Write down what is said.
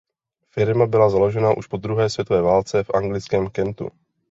Firma byla založena už po druhé světové válce v anglickém Kentu.